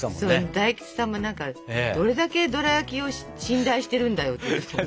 大吉さんも何か「どれだけドラやきを信頼してるんだよ」って言ってたもん。